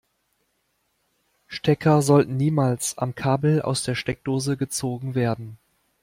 Stecker sollten niemals am Kabel aus der Steckdose gezogen werden.